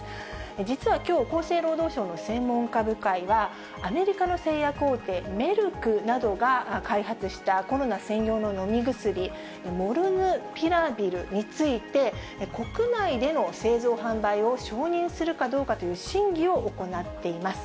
実はきょう、厚生労働省の専門家部会は、アメリカの製薬大手、メルクなどが開発したコロナ専用の飲み薬、モルヌピラビルについて、国内での製造・販売を承認するかどうかという審議を行っています。